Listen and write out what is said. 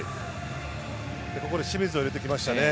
ここで清水を入れてきましたね。